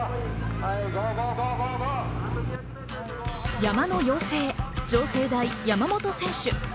山の妖精、城西大・山本選手。